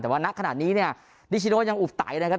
แต่ว่าณขณะนี้เนี่ยนิชิโนยังอุบไตนะครับ